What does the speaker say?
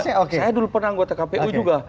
saya dulu pernah anggota kpu juga